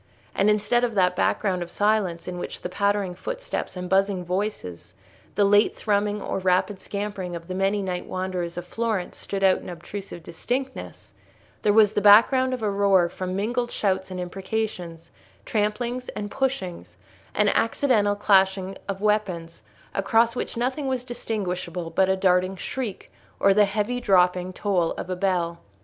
And instead of that background of silence in which the pattering footsteps and buzzing voices, the lute thrumming or rapid scampering of the many night wanderers of Florence stood out in obtrusive distinctness, there was the background of a roar from mingled shouts and imprecations, tramplings and pushings, and accidental clashing of weapons, across which nothing was distinguishable but a darting shriek, or the heavy dropping toll of a bell.